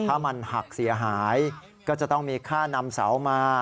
ถ้ามันหักเสียหายก็จะต้องมีค่านำเสามา